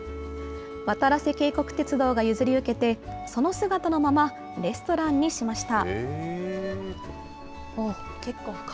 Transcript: わたらせ渓谷鐵道が譲り受けて、その姿のまま、レストランにしました。